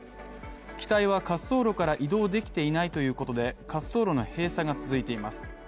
機体は滑走路から移動できていないということで滑走路の閉鎖が続いています。